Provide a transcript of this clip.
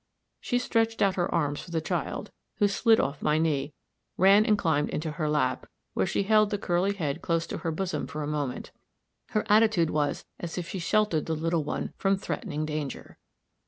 She stretched out her arms for the child, who slid off my knee, ran and climbed into her lap, where she held the curly head close to her bosom for a moment; her attitude was as if she sheltered the little one from threatened danger.